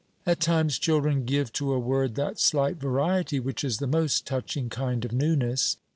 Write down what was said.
At times children give to a word that slight variety which is the most touching kind of newness.